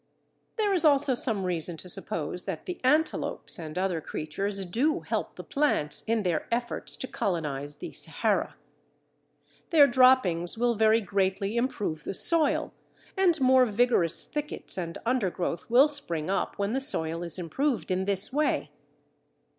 There is also some reason to suppose that the antelopes and other creatures do help the plants in their efforts to colonize the Sahara. Their droppings will very greatly improve the soil, and more vigorous thickets and undergrowth will spring up when the soil is improved in this way.